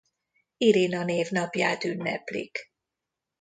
Irina névnapját ünneplik.